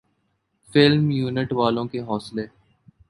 film unit والوں کے حوصلے